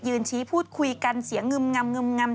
ยืนชี้พูดคุยกันเสียงงำ